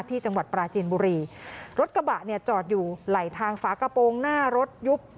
ที่จังหวัดปราจีนบุรีรถกระบะเนี่ยจอดอยู่ไหลทางฝากระโปรงหน้ารถยุบ